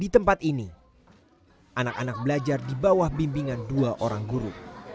di tempat ini anak anak belajar di bawah bimbingan dua orang guru